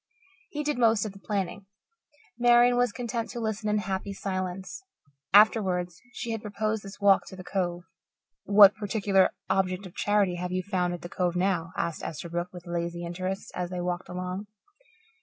He did most of the planning. Marian was content to listen in happy silence. Afterwards she had proposed this walk to the Cove. "What particular object of charity have you found at the Cove now?" asked Esterbrook, with lazy interest, as they walked along.